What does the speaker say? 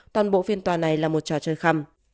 toàn bộ phiên tòa này là một trò chơi khăm